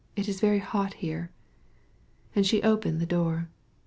It's very hot in here." And she opened the door.